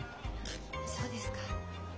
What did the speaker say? そうですか。